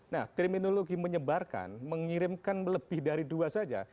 nah terminologi menyebarkan mengirimkan lebih dari dua saja